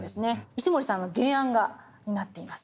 石森さんの原案画になっています。